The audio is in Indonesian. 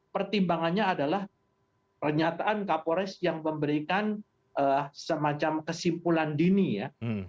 pertimbangannya adalah pernyataan kapolres yang memberikan semacam kesimpulan dini ya